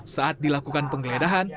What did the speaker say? saat dilakukan penggeledahan